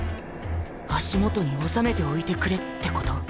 足元に収めておいてくれってこと？